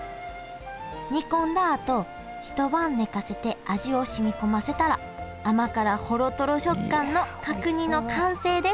煮込んだあと一晩寝かせて味をしみ込ませたら甘辛ほろトロ食感の角煮の完成です